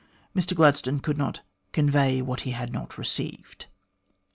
Mr Gladstone could not ' convey what he had not received.'"